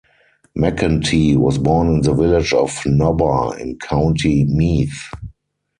McEntee was born in the village of Nobber in County Meath.